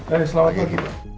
eh selamat pagi pak